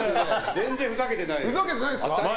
全然ふざけてないですよ！